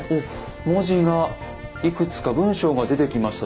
文字がいくつか文章が出てきました。